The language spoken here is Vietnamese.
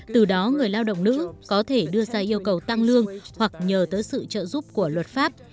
từ đó người lao động nữ có thể đưa ra yêu cầu tăng lương hoặc nhờ tới sự trợ giúp của luật pháp